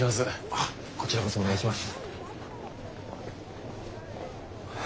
あっこちらこそお願いします。